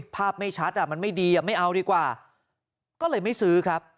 ภาพไม่ชัดอ่ะมันไม่ดีไม่เอาดีกว่าก็เลยไม่ซื้อครับ